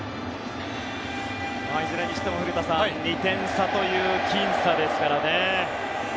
いずれにしても古田さん２点差というきん差ですからね。